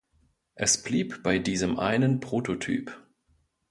Es blieb bei diesem einen Prototyp.